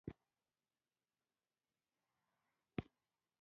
موږ ولیدل چې د یهودانو ډلې یې مرګ ته روانې کړې